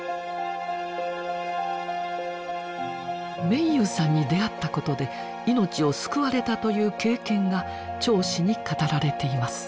明勇さんに出会ったことで命を救われたいう経験が町史に語られています。